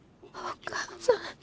お母さん。